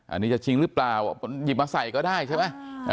อันนี้จะจริงหรือเปล่าหยิบมาใส่ก็ได้ใช่ไหม